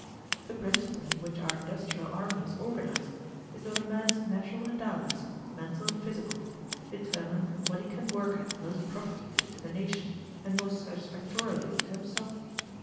The principle on which our industrial army is organized is that a man's natural endowments, mental and physical, determine what he can work at most profitably to the nation and most satisfactorily to himself.